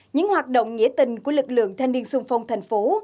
những hoạt động nghĩa tình của lực lượng thanh niên sung phong thành phố